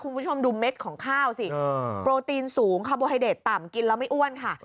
คุณผู้ชมดูเม็ดของข้าวสิโปรตีนสูงคาร์โบไฮเดตต่ำกินแล้วไม่อ้วนค่ะ